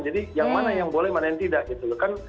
jadi yang mana yang boleh mana yang tidak